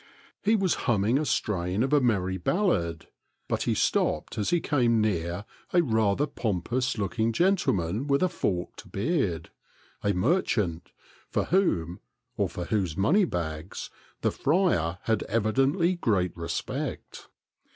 He was humming a strain of a merry ballad, but he stopped as he came near a rather pompous looking gentleman with a forked beard, — a merchant, for whom, or for whose money bags, the friar had evidently great respect.